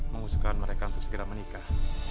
mengusulkan mereka untuk segera menikah